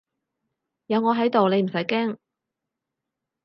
有我喺度你唔使驚